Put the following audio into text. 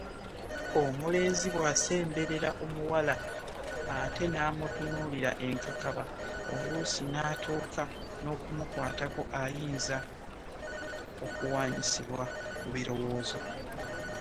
Omulenzi bw’asemberera omuwala ate n’amutunuulira enkakaba oluusi n’atuuka n’okumukwatako ayinza okuwanyisibwa mu birowoozo.